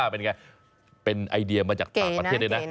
เป็นไงเป็นไอเดียมาจากต่างประเทศด้วยนะ